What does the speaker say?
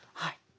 はい。